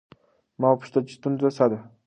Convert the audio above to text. ما وپوښتل چې ستونزه څه ده؟